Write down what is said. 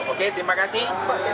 oke terima kasih